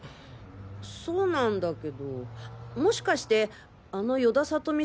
そうなんだけどもしかしてあの与田理美さん